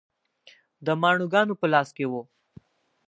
د ماڼوګانو په لاس کې و.